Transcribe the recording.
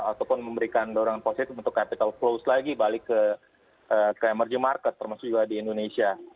ataupun memberikan dorongan positif untuk capital flows lagi balik ke emerging market termasuk juga di indonesia